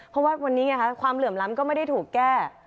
เพราะว่าวันนี้ไงคะความเหลื่อมล้ำก็ไม่ได้ถูกแก้